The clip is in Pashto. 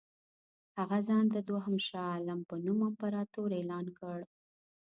هغه ځان د دوهم شاه عالم په نوم امپراطور اعلان کړ.